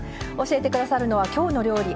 教えて下さるのは「きょうの料理」